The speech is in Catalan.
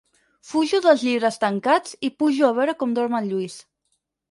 Fujo dels llibres tancats i pujo a veure com dorm el Lluís.